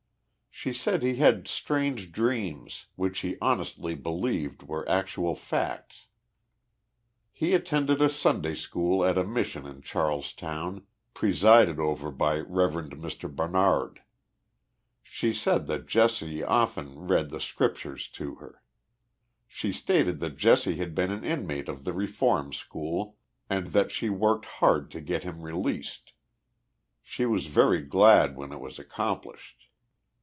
She said he had strange dreams, which he honestly believed were actual facts. G3 THE LIFE OF JESSE HARDING POMEROY. He attended a Sunday school at a mission in Charlestown, presided over by Rev. Mr. Barnard. She said that Jesse often read the Scriptures to her. She stated that Jesse had been an inmate of the Reform School and that she worked hard to get him released. She was very glad when it was accomplished.